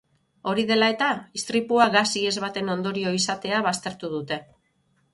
Hori dela eta, istripua gas ihes baten ondorio izatea baztertu dute.